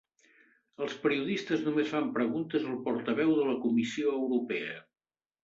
Els periodistes només fan preguntes al portaveu de la Comissió Europea